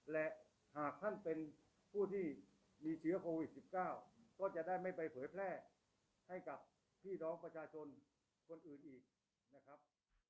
และหากท่านเป็นผู้ที่มีเชื้อโควิด๑๙ก็จะได้ไม่ไปเผยแพร่ให้กับพี่น้องประชาชนคนอื่นอีกนะครับ